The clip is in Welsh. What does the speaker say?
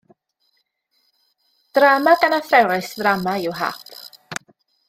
Drama gan athrawes ddrama yw Hap.